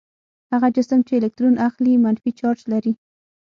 هغه جسم چې الکترون اخلي منفي چارج لري.